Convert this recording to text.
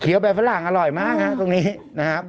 เขียวใบฝรั่งอร่อยมากครับตรงนี้นะครับ